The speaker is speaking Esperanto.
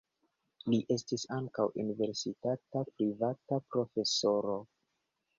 Li estis ankaŭ universitata privata profesoro.